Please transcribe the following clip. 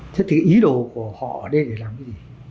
thế thì ý đồ của họ ở đây để làm cái gì